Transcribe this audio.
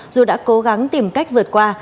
dù đã cố gắng tìm cách vượt qua